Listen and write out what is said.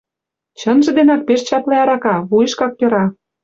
Чынже денак пеш чапле арака, вуйышкак пера.